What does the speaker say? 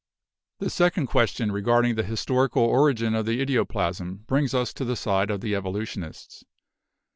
"The second question, regarding the historical origin of the idioplasm, brings us to the side of the evolution ists.